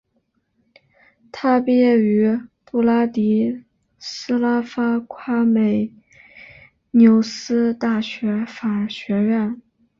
他毕业于布拉迪斯拉发夸美纽斯大学法学院。